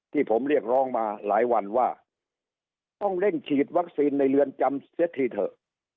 ที่ผมเรียกร้องมาหลายวันว่าต้องเร่งฉีดวัคซีนในเรือนจำเสียทีเถอะ